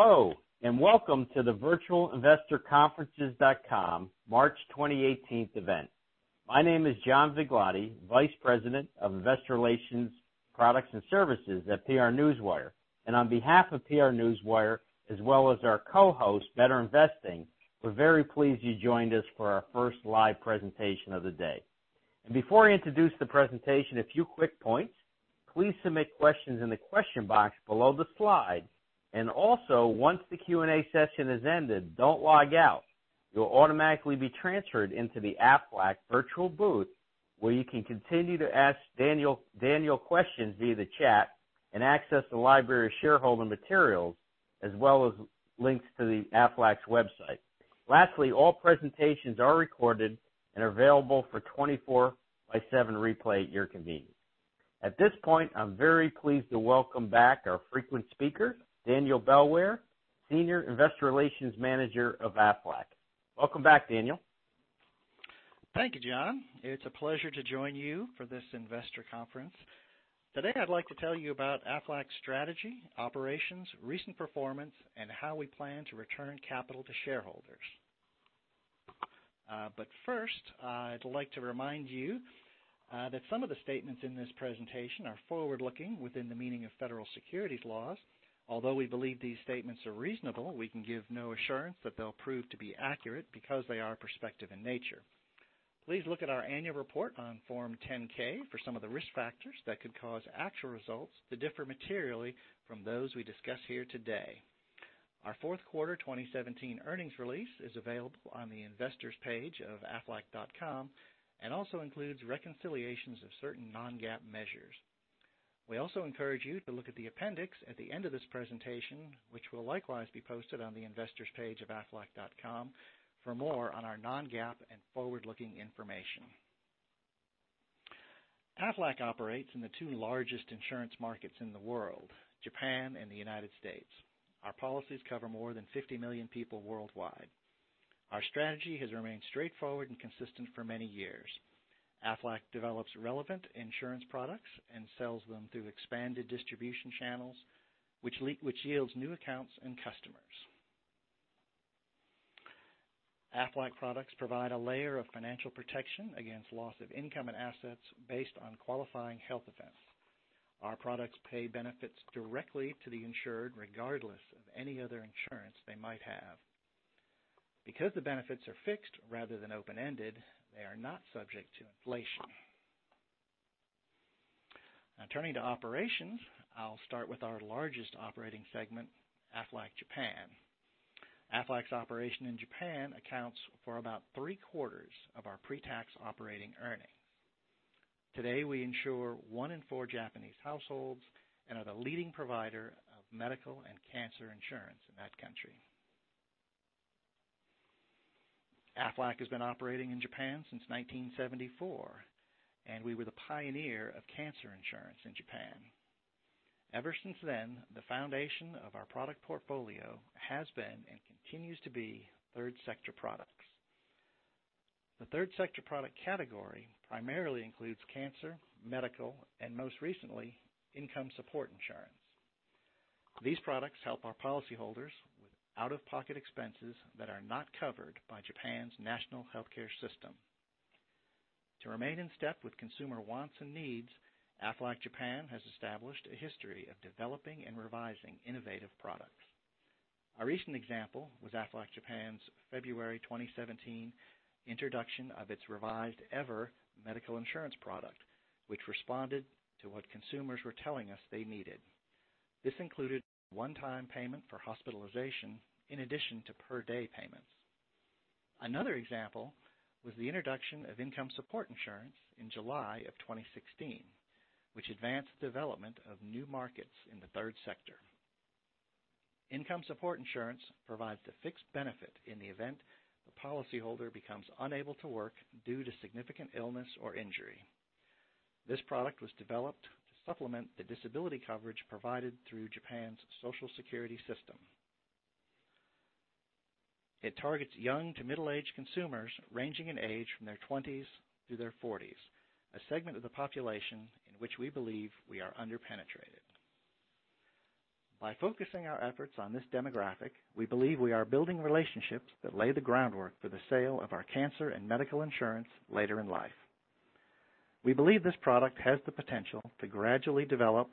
Hello, and welcome to the virtualinvestorconferences.com March 2018 event. My name is John Viglotti, Vice President of Investor Relations Products and Services at PR Newswire. On behalf of PR Newswire, as well as our co-host, BetterInvesting, we're very pleased you joined us for our first live presentation of the day. Before I introduce the presentation, a few quick points. Please submit questions in the question box below the slide. Also, once the Q&A session has ended, don't log out. You'll automatically be transferred into the Aflac virtual booth, where you can continue to ask Daniel questions via the chat and access the library shareholder materials, as well as links to the aflac.com website. Lastly, all presentations are recorded and available for 24 by 7 replay at your convenience. At this point, I'm very pleased to welcome back our frequent speaker, Daniel Bellware, Senior Investor Relations Manager of Aflac. Welcome back, Daniel. Thank you, John. It's a pleasure to join you for this investor conference. Today, I'd like to tell you about Aflac's strategy, operations, recent performance, and how we plan to return capital to shareholders. First, I'd like to remind you that some of the statements in this presentation are forward-looking within the meaning of federal securities laws. Although we believe these statements are reasonable, we can give no assurance that they'll prove to be accurate because they are prospective in nature. Please look at our annual report on 10-K for some of the risk factors that could cause actual results to differ materially from those we discuss here today. Our fourth quarter 2017 earnings release is available on the investors page of aflac.com and also includes reconciliations of certain non-GAAP measures. We also encourage you to look at the appendix at the end of this presentation, which will likewise be posted on the investors page of aflac.com for more on our non-GAAP and forward-looking information. Aflac operates in the two largest insurance markets in the world, Japan and the United States. Our policies cover more than 50 million people worldwide. Our strategy has remained straightforward and consistent for many years. Aflac develops relevant insurance products and sells them through expanded distribution channels, which yields new accounts and customers. Aflac products provide a layer of financial protection against loss of income and assets based on qualifying health events. Our products pay benefits directly to the insured regardless of any other insurance they might have. Because the benefits are fixed rather than open-ended, they are not subject to inflation. Turning to operations, I'll start with our largest operating segment, Aflac Japan. Aflac's operation in Japan accounts for about three-quarters of our pre-tax operating earnings. Today, we insure one in four Japanese households and are the leading provider of medical and cancer insurance in that country. We were the pioneer of cancer insurance in Japan. Ever since then, the foundation of our product portfolio has been and continues to be, third sector products. The third sector product category primarily includes cancer, medical, and most recently, Income Support Insurance. These products help our policyholders with out-of-pocket expenses that are not covered by Japan's national healthcare system. To remain in step with consumer wants and needs, Aflac Japan has established a history of developing and revising innovative products. A recent example was Aflac Japan's February 2017 introduction of its revised EVER medical insurance product, which responded to what consumers were telling us they needed. This included one-time payment for hospitalization in addition to per-day payments. Another example was the introduction of Income Support Insurance in July of 2016, which advanced development of new markets in the third sector. Income Support Insurance provides the fixed benefit in the event the policyholder becomes unable to work due to significant illness or injury. This product was developed to supplement the disability coverage provided through Japan's Social Security system. It targets young to middle-aged consumers ranging in age from their 20s to their 40s, a segment of the population in which we believe we are under-penetrated. By focusing our efforts on this demographic, we believe we are building relationships that lay the groundwork for the sale of our cancer and medical insurance later in life. We believe this product has the potential to gradually develop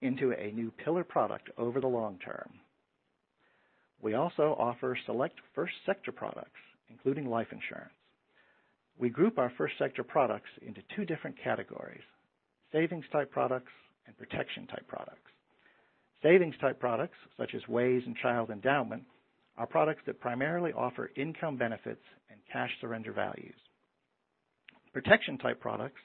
into a new pillar product over the long term. We also offer select first sector products, including life insurance. We group our first sector products into two different categories, savings type products and protection type products. Savings type products, such as WAYS and child endowment, are products that primarily offer income benefits and cash surrender values. Protection type products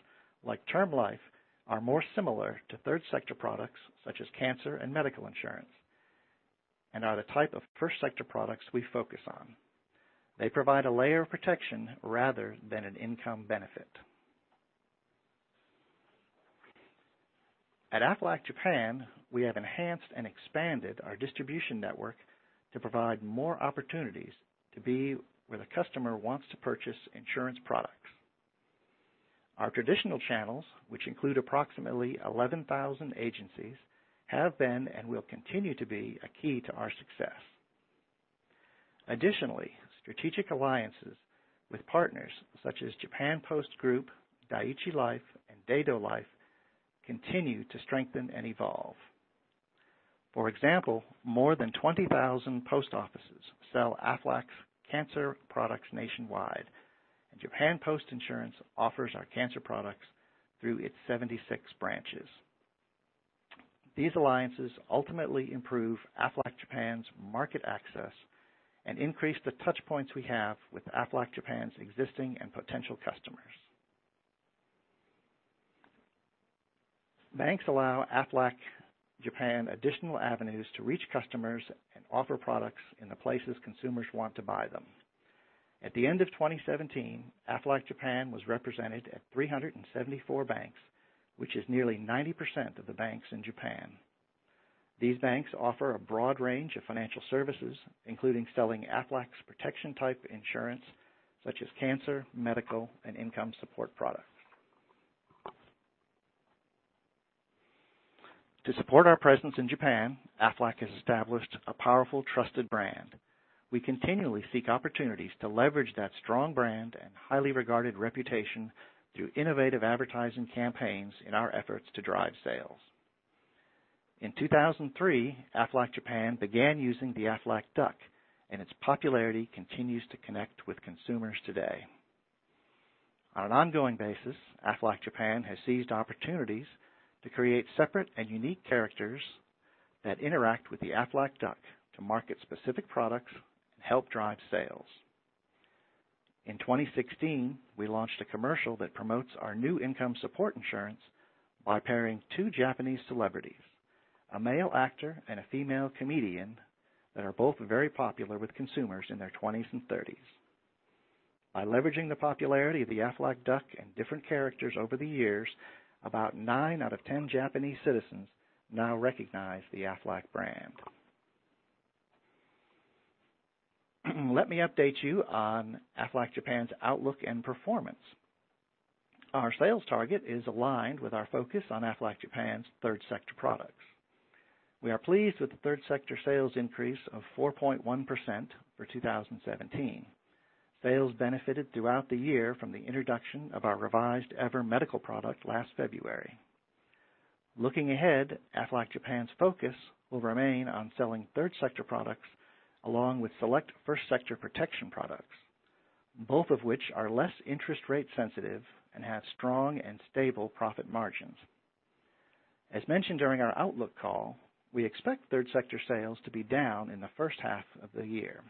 like term life insurance are more similar to third sector products such as cancer and medical insurance and are the type of first sector products we focus on. They provide a layer of protection rather than an income benefit. At Aflac Japan, we have enhanced and expanded our distribution network to provide more opportunities to be where the customer wants to purchase insurance products. Our traditional channels, which include approximately 11,000 agencies, have been and will continue to be a key to our success. Strategic alliances with partners such as Japan Post Group, Dai-ichi Life, and Daido Life continue to strengthen and evolve. For example, more than 20,000 post offices sell Aflac's cancer products nationwide, and Japan Post Insurance offers our cancer products through its 76 branches. These alliances ultimately improve Aflac Japan's market access and increase the touchpoints we have with Aflac Japan's existing and potential customers. Banks allow Aflac Japan additional avenues to reach customers and offer products in the places consumers want to buy them. At the end of 2017, Aflac Japan was represented at 374 banks, which is nearly 90% of the banks in Japan. These banks offer a broad range of financial services, including selling Aflac's protection-type insurance, such as cancer, medical, and Income Support products. To support our presence in Japan, Aflac has established a powerful, trusted brand. We continually seek opportunities to leverage that strong brand and highly regarded reputation through innovative advertising campaigns in our efforts to drive sales. In 2003, Aflac Japan began using the Aflac Duck. Its popularity continues to connect with consumers today. On an ongoing basis, Aflac Japan has seized opportunities to create separate and unique characters that interact with the Aflac Duck to market specific products and help drive sales. In 2016, we launched a commercial that promotes our new Income Support Insurance by pairing two Japanese celebrities, a male actor and a female comedian, that are both very popular with consumers in their 20s and 30s. By leveraging the popularity of the Aflac Duck and different characters over the years, about nine out of 10 Japanese citizens now recognize the Aflac brand. Let me update you on Aflac Japan's outlook and performance. Our sales target is aligned with our focus on Aflac Japan's third sector products. We are pleased with the third sector sales increase of 4.1% for 2017. Sales benefited throughout the year from the introduction of our revised EVER medical product last February. Looking ahead, Aflac Japan's focus will remain on selling third sector products along with select first sector protection products, both of which are less interest rate sensitive and have strong and stable profit margins. As mentioned during our outlook call, we expect third sector sales to be down in the first half of the year.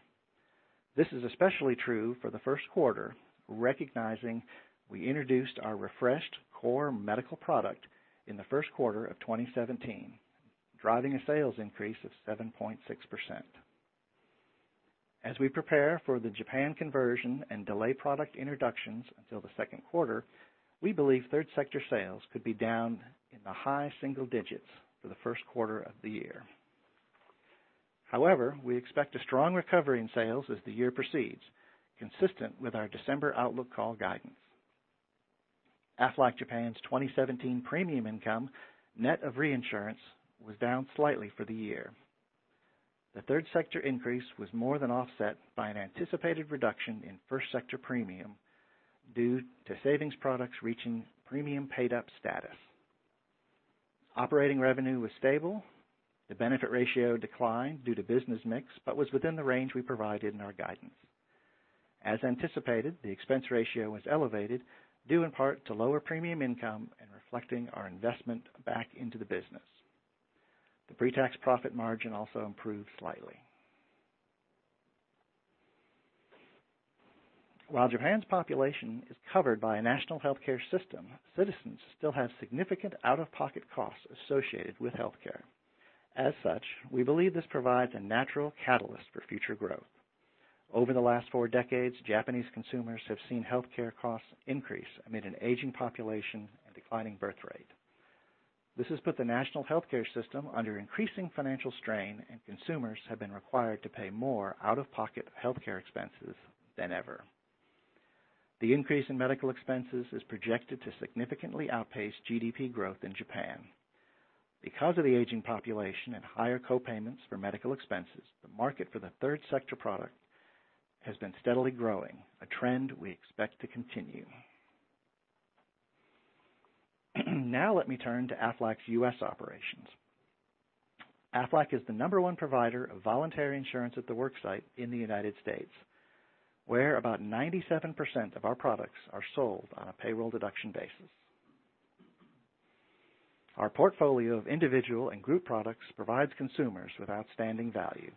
This is especially true for the first quarter, recognizing we introduced our refreshed core medical product in the first quarter of 2017, driving a sales increase of 7.6%. As we prepare for the Japan conversion and delay product introductions until the second quarter, we believe third sector sales could be down in the high single digits for the first quarter of the year. We expect a strong recovery in sales as the year proceeds, consistent with our December outlook call guidance. Aflac Japan's 2017 premium income, net of reinsurance, was down slightly for the year. The third sector increase was more than offset by an anticipated reduction in first sector premium due to savings products reaching premium paid-up status. Operating revenue was stable. The benefit ratio declined due to business mix, but was within the range we provided in our guidance. As anticipated, the expense ratio was elevated, due in part to lower premium income and reflecting our investment back into the business. The pre-tax profit margin also improved slightly. While Japan's population is covered by a national healthcare system, citizens still have significant out-of-pocket costs associated with healthcare. As such, we believe this provides a natural catalyst for future growth. Over the last four decades, Japanese consumers have seen healthcare costs increase amid an aging population and declining birth rate. This has put the national healthcare system under increasing financial strain, and consumers have been required to pay more out-of-pocket healthcare expenses than ever. The increase in medical expenses is projected to significantly outpace GDP growth in Japan. Because of the aging population and higher co-payments for medical expenses, the market for the third sector product has been steadily growing, a trend we expect to continue. Now let me turn to Aflac's U.S. operations. Aflac is the number one provider of voluntary insurance at the worksite in the U.S., where about 97% of our products are sold on a payroll deduction basis. Our portfolio of individual and group products provides consumers with outstanding value.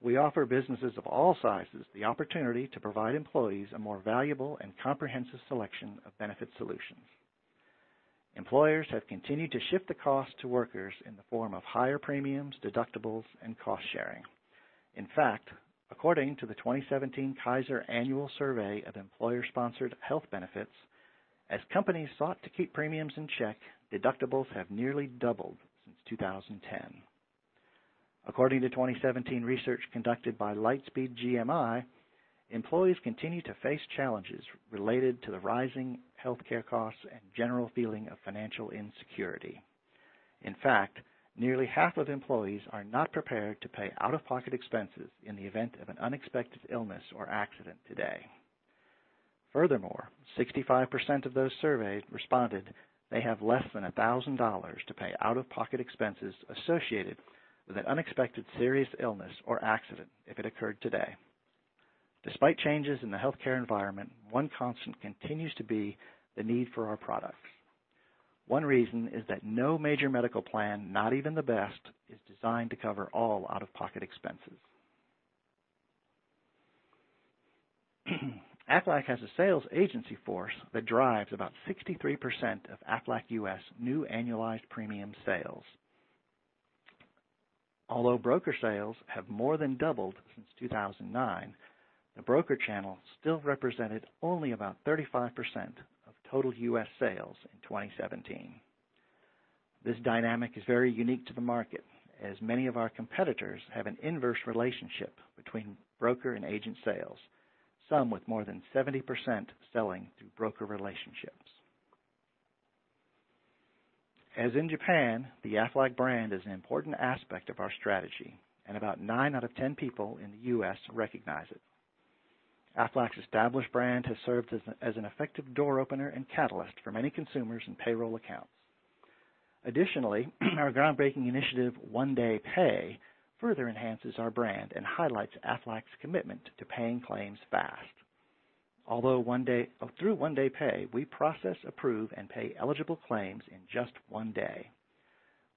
We offer businesses of all sizes the opportunity to provide employees a more valuable and comprehensive selection of benefit solutions. Employers have continued to shift the cost to workers in the form of higher premiums, deductibles, and cost-sharing. In fact, according to the 2017 Kaiser Annual Survey of employer-sponsored health benefits, as companies sought to keep premiums in check, deductibles have nearly doubled since 2010. According to 2017 research conducted by Lightspeed GMI, employees continue to face challenges related to the rising healthcare costs and general feeling of financial insecurity. Nearly half of employees are not prepared to pay out-of-pocket expenses in the event of an unexpected illness or accident today. Furthermore, 65% of those surveyed responded they have less than $1,000 to pay out-of-pocket expenses associated with an unexpected serious illness or accident if it occurred today. Despite changes in the healthcare environment, one constant continues to be the need for our products. One reason is that no major medical plan, not even the best, is designed to cover all out-of-pocket expenses. Aflac has a sales agency force that drives about 63% of Aflac U.S. new annualized premium sales. Although broker sales have more than doubled since 2009, the broker channel still represented only about 35% of total U.S. sales in 2017. This dynamic is very unique to the market, as many of our competitors have an inverse relationship between broker and agent sales, some with more than 70% selling through broker relationships. As in Japan, the Aflac brand is an important aspect of our strategy, and about nine out of 10 people in the U.S. recognize it. Aflac's established brand has served as an effective door opener and catalyst for many consumers and payroll accounts. Additionally, our groundbreaking initiative, One Day Pay, further enhances our brand and highlights Aflac's commitment to paying claims fast. Through One Day Pay, we process, approve, and pay eligible claims in just one day.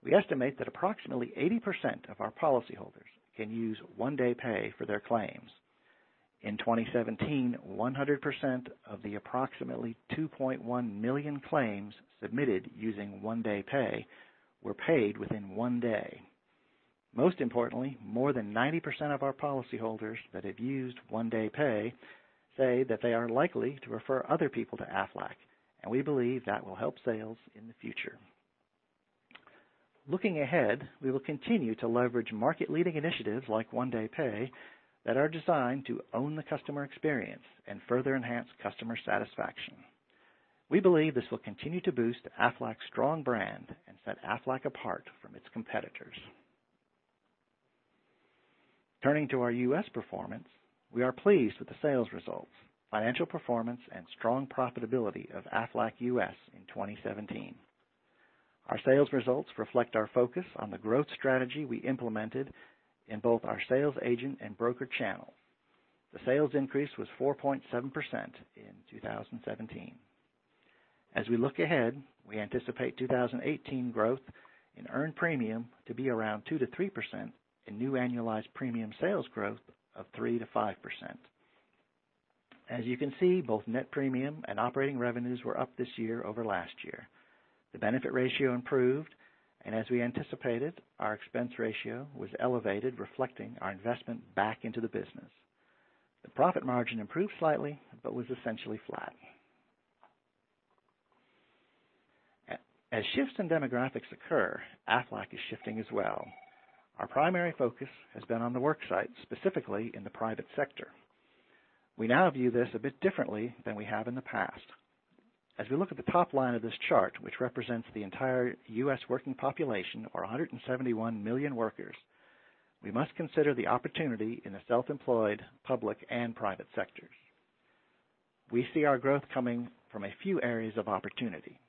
We estimate that approximately 80% of our policyholders can use One Day Pay for their claims. In 2017, 100% of the approximately 2.1 million claims submitted using One Day Pay were paid within one day. More than 90% of our policyholders that have used One Day Pay say that they are likely to refer other people to Aflac. We believe that will help sales in the future. Looking ahead, we will continue to leverage market-leading initiatives like One Day Pay that are designed to own the customer experience and further enhance customer satisfaction. We believe this will continue to boost Aflac's strong brand and set Aflac apart from its competitors. Turning to our U.S. performance, we are pleased with the sales results, financial performance, and strong profitability of Aflac U.S. in 2017. Our sales results reflect our focus on the growth strategy we implemented in both our sales agent and broker channel. The sales increase was 4.7% in 2017. As we look ahead, we anticipate 2018 growth in earned premium to be around 2%-3% and new annualized premium sales growth of 3%-5%. As you can see, both net premium and operating revenues were up this year over last year. The benefit ratio improved, and as we anticipated, our expense ratio was elevated, reflecting our investment back into the business. The profit margin improved slightly but was essentially flat. As shifts in demographics occur, Aflac is shifting as well. Our primary focus has been on the worksite, specifically in the private sector. We now view this a bit differently than we have in the past. As we look at the top line of this chart, which represents the entire U.S. working population of 171 million workers, we must consider the opportunity in the self-employed, public, and private sectors. We see our growth coming from a few areas of opportunity.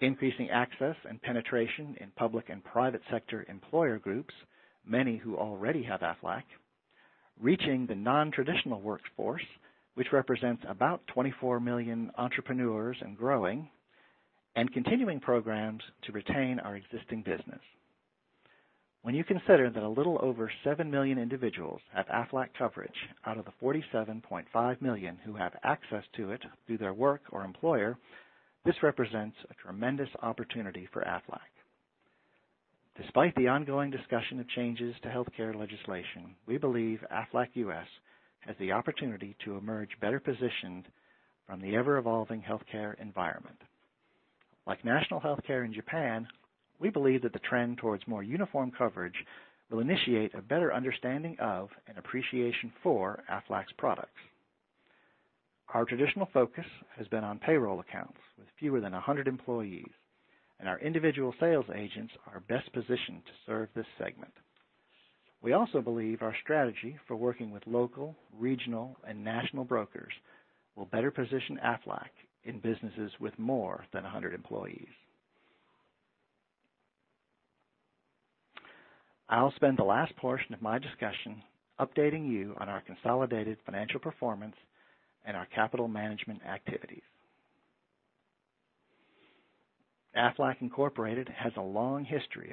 Increasing access and penetration in public and private sector employer groups, many who already have Aflac. Reaching the non-traditional workforce, which represents about 24 million entrepreneurs and growing. Continuing programs to retain our existing business. When you consider that a little over seven million individuals have Aflac coverage out of the 47.5 million who have access to it through their work or employer, this represents a tremendous opportunity for Aflac. Despite the ongoing discussion of changes to healthcare legislation, we believe Aflac U.S. has the opportunity to emerge better positioned from the ever-evolving healthcare environment. Like national healthcare in Japan, we believe that the trend towards more uniform coverage will initiate a better understanding of and appreciation for Aflac's products. Our traditional focus has been on payroll accounts with fewer than 100 employees, and our individual sales agents are best positioned to serve this segment. We also believe our strategy for working with local, regional, and national brokers will better position Aflac in businesses with more than 100 employees. I'll spend the last portion of my discussion updating you on our consolidated financial performance and our capital management activities. Aflac Incorporated has a long history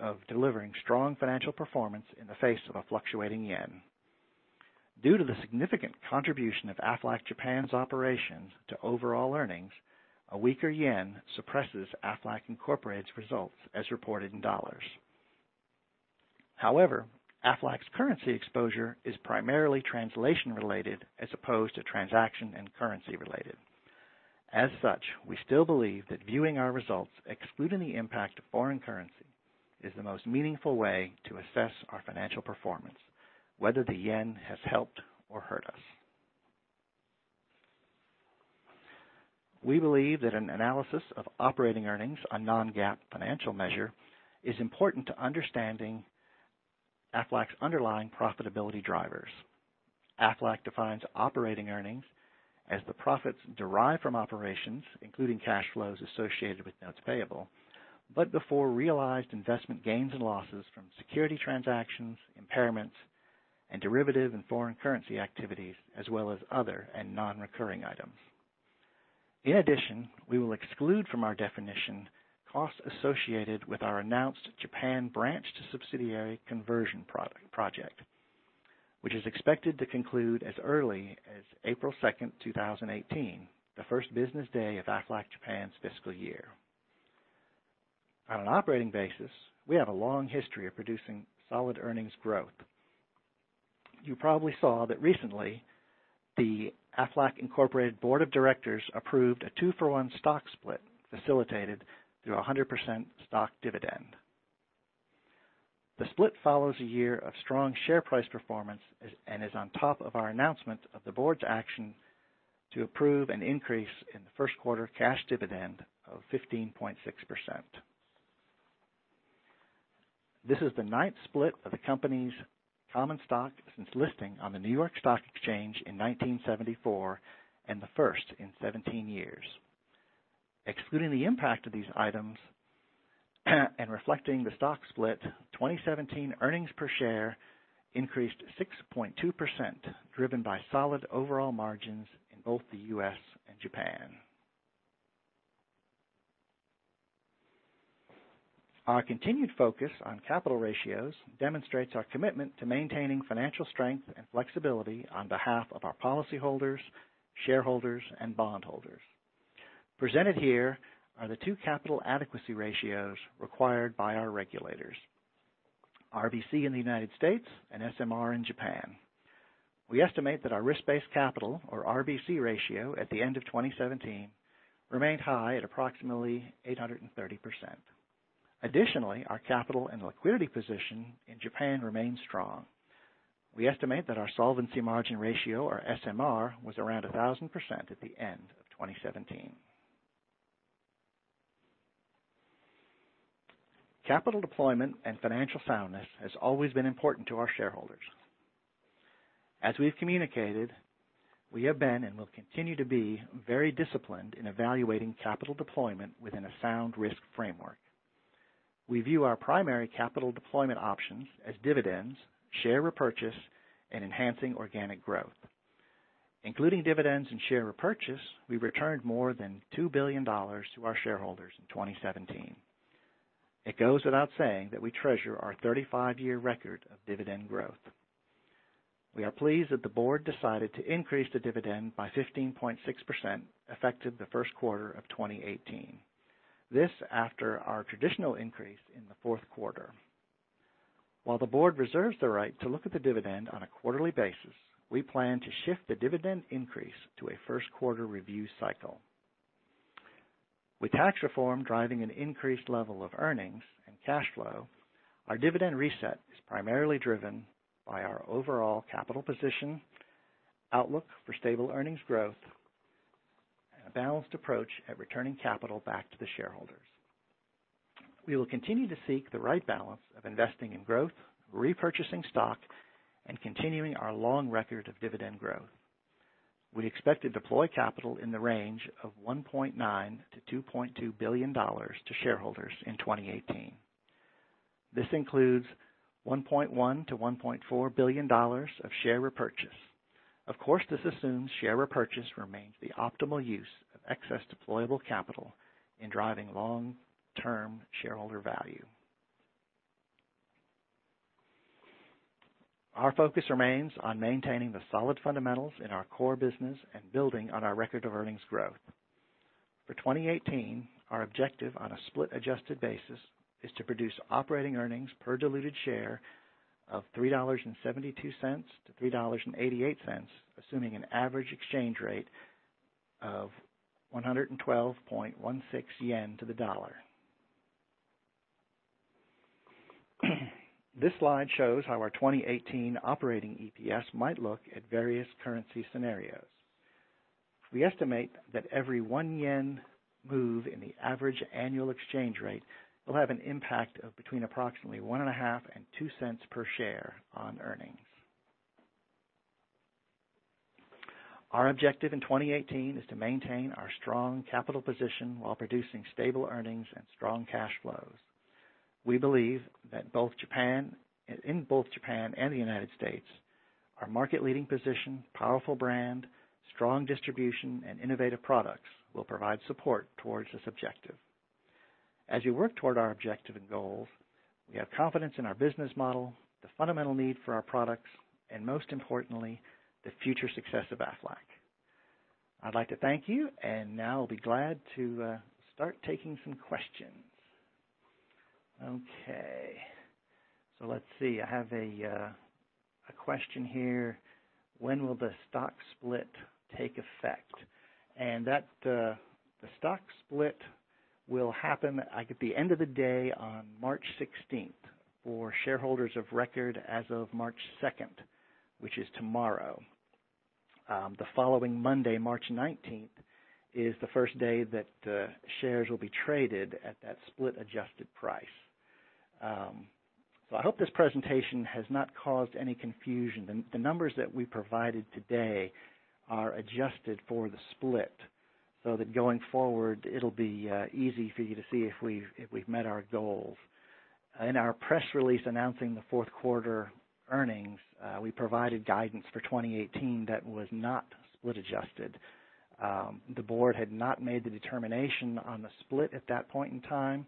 of delivering strong financial performance in the face of a fluctuating yen. Due to the significant contribution of Aflac Japan's operations to overall earnings, a weaker yen suppresses Aflac Incorporated's results as reported in dollars. However, Aflac's currency exposure is primarily translation-related as opposed to transaction and currency-related. As such, we still believe that viewing our results excluding the impact of foreign currency is the most meaningful way to assess our financial performance, whether the yen has helped or hurt us. We believe that an analysis of operating earnings, a non-GAAP financial measure, is important to understanding Aflac's underlying profitability drivers. Aflac defines operating earnings as the profits derived from operations, including cash flows associated with notes payable, but before realized investment gains and losses from security transactions, impairments, and derivative and foreign currency activities, as well as other and non-recurring items. In addition, we will exclude from our definition costs associated with our announced Japan branch to subsidiary conversion project, which is expected to conclude as early as April 2nd, 2018, the first business day of Aflac Japan's fiscal year. On an operating basis, we have a long history of producing solid earnings growth. You probably saw that recently, the Aflac Incorporated board of directors approved a two-for-one stock split facilitated through a 100% stock dividend. The split follows a year of strong share price performance and is on top of our announcement of the board's action to approve an increase in the first quarter cash dividend of 15.6%. This is the ninth split of the company's common stock since listing on the New York Stock Exchange in 1974 and the first in 17 years. Excluding the impact of these items and reflecting the stock split, 2017 earnings per share increased 6.2%, driven by solid overall margins in both the U.S. and Japan. Our continued focus on capital ratios demonstrates our commitment to maintaining financial strength and flexibility on behalf of our policyholders, shareholders, and bondholders. Presented here are the two capital adequacy ratios required by our regulators, RBC in the U.S. and SMR in Japan. We estimate that our risk-based capital, or RBC ratio, at the end of 2017 remained high at approximately 830%. Additionally, our capital and liquidity position in Japan remains strong. We estimate that our solvency margin ratio, or SMR, was around 1,000% at the end of 2017. Capital deployment and financial soundness has always been important to our shareholders. As we've communicated, we have been and will continue to be very disciplined in evaluating capital deployment within a sound risk framework. We view our primary capital deployment options as dividends, share repurchase, and enhancing organic growth. Including dividends and share repurchase, we returned more than $2 billion to our shareholders in 2017. It goes without saying that we treasure our 35-year record of dividend growth. We are pleased that the board decided to increase the dividend by 15.6%, effective the first quarter of 2018. This after our traditional increase in the fourth quarter. While the board reserves the right to look at the dividend on a quarterly basis, we plan to shift the dividend increase to a first quarter review cycle. With tax reform driving an increased level of earnings and cash flow, our dividend reset is primarily driven by our overall capital position, outlook for stable earnings growth, and a balanced approach at returning capital back to the shareholders. We will continue to seek the right balance of investing in growth, repurchasing stock, and continuing our long record of dividend growth. We expect to deploy capital in the range of $1.9 billion-$2.2 billion to shareholders in 2018. This includes $1.1 billion-$1.4 billion of share repurchase. Of course, this assumes share repurchase remains the optimal use of excess deployable capital in driving long-term shareholder value. Our focus remains on maintaining the solid fundamentals in our core business and building on our record of earnings growth. For 2018, our objective on a split adjusted basis is to produce operating earnings per diluted share of $3.72-$3.88, assuming an average exchange rate of 112.16 yen to the USD. This slide shows how our 2018 operating EPS might look at various currency scenarios. We estimate that every one yen move in the average annual exchange rate will have an impact of between approximately $0.015 and $0.02 per share on earnings. Our objective in 2018 is to maintain our strong capital position while producing stable earnings and strong cash flows. We believe that in both Japan and the U.S., our market leading position, powerful brand, strong distribution, and innovative products will provide support towards this objective. As we work toward our objective and goals, we have confidence in our business model, the fundamental need for our products, and most importantly, the future success of Aflac. I'd like to thank you, and now I'll be glad to start taking some questions. Okay. Let's see. I have a question here. When will the stock split take effect? The stock split will happen at the end of the day on March 16th for shareholders of record as of March 2nd, which is tomorrow. The following Monday, March 19th, is the first day that shares will be traded at that split adjusted price. I hope this presentation has not caused any confusion. The numbers that we provided today are adjusted for the split, that going forward it'll be easy for you to see if we've met our goals. In our press release announcing the fourth quarter earnings, we provided guidance for 2018 that was not split adjusted. The board had not made the determination on the split at that point in time,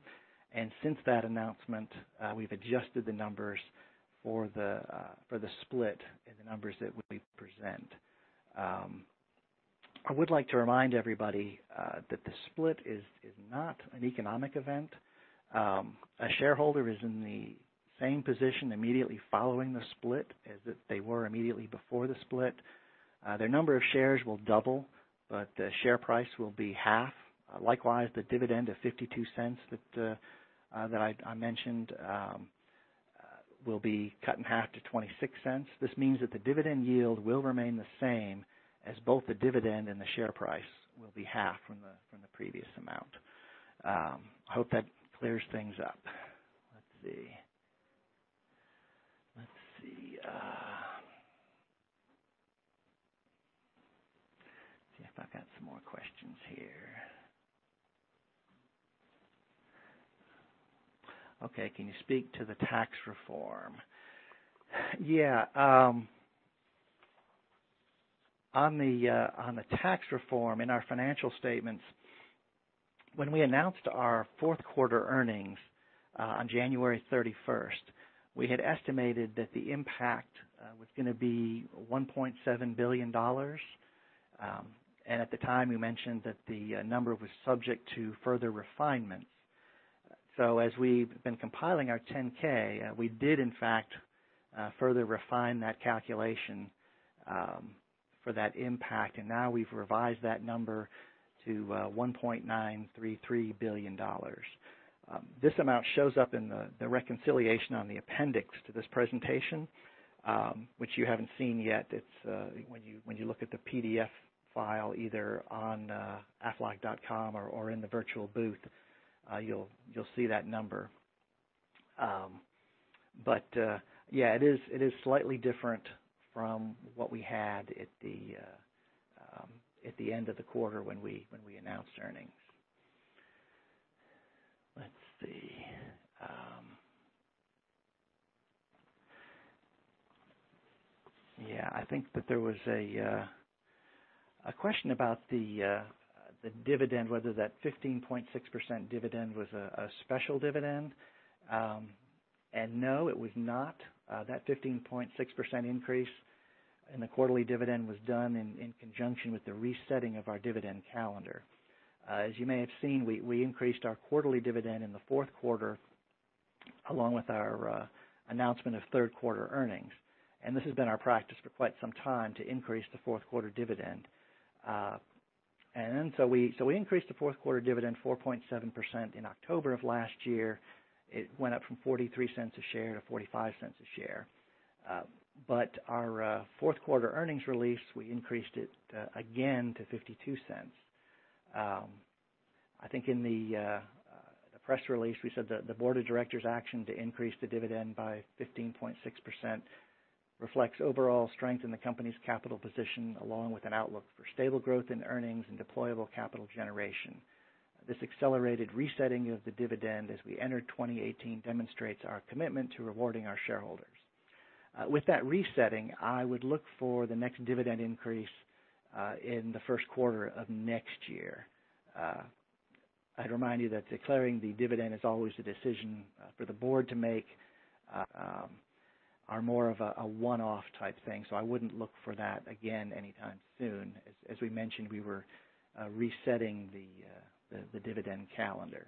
since that announcement, we've adjusted the numbers for the split in the numbers that we present. I would like to remind everybody that the split is not an economic event. A shareholder is in the same position immediately following the split as they were immediately before the split. Their number of shares will double, but the share price will be half. Likewise, the dividend of $0.52 that I mentioned will be cut in half to $0.26. This means that the dividend yield will remain the same as both the dividend and the share price will be half from the previous amount. I hope that clears things up. Let's see. Let's see if I've got some more questions here. Okay. Can you speak to the tax reform? Yeah. On the tax reform in our financial statements, when we announced our fourth quarter earnings on January 31st, we had estimated that the impact was going to be $1.7 billion. At the time, we mentioned that the number was subject to further refinements. As we've been compiling our 10-K, we did in fact, further refine that calculation for that impact, now we've revised that number to $1.933 billion. This amount shows up in the reconciliation on the appendix to this presentation, which you haven't seen yet. When you look at the PDF file, either on aflac.com or in the virtual booth you'll see that number. Yeah, it is slightly different from what we had at the end of the quarter when we announced earnings. Let's see. Yeah, I think that there was a question about the dividend, whether that 15.6% dividend was a special dividend. No, it was not. That 15.6% increase in the quarterly dividend was done in conjunction with the resetting of our dividend calendar. As you may have seen, we increased our quarterly dividend in the fourth quarter along with our announcement of third quarter earnings. This has been our practice for quite some time to increase the fourth quarter dividend. We increased the fourth quarter dividend 4.7% in October of last year. It went up from $0.43 a share to $0.45 a share. Our fourth quarter earnings release, we increased it again to $0.52. I think in the press release we said that the board of directors action to increase the dividend by 15.6% reflects overall strength in the company's capital position, along with an outlook for stable growth in earnings and deployable capital generation. This accelerated resetting of the dividend as we enter 2018 demonstrates our commitment to rewarding our shareholders. With that resetting, I would look for the next dividend increase in the first quarter of next year. I'd remind you that declaring the dividend is always a decision for the board to make are more of a one-off type thing. I wouldn't look for that again anytime soon. As we mentioned, we were resetting the dividend calendar.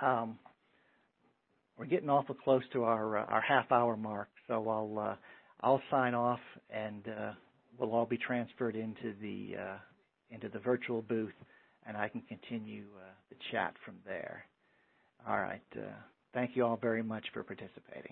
We're getting awful close to our half hour mark, so I'll sign off, and we'll all be transferred into the virtual booth, and I can continue the chat from there. All right. Thank you all very much for participating.